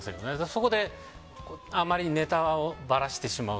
そこであまりネタをばらしてしまうと。